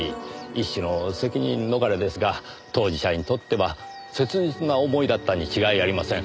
一種の責任逃れですが当事者にとっては切実な思いだったに違いありません。